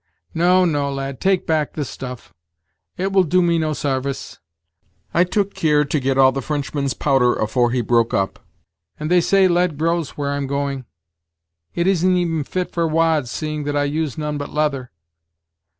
No, no, lad take back the stuff; it will do me no sarvice, I took kear to get all the Frenchman's powder afore he broke up, and they say lead grows where I'm going, it isn't even fit for wads, seeing that I use none but leather!